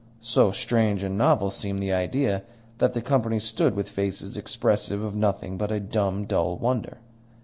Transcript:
So strange and novel seemed the idea that the company stood with faces expressive of nothing but a dumb, dull wonder.